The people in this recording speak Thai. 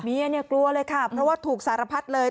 เมียเนี่ยกลัวเลยค่ะเพราะว่าถูกสารพัดเลย